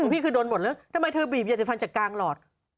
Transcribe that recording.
พี่คือโดนหมดแล้วทำไมเธอบีบอยากจะฟันจากกลางหลอด